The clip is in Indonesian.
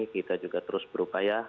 kita juga terus berupaya